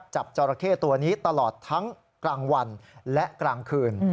จราเข้ตัวนี้ตลอดทั้งกลางวันและกลางคืน